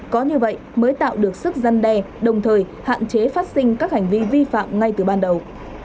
có như vậy mới tạo được sức dân đe đồng thời hạn chế phát sinh các hành vi vi phạm ngay từ ban đầu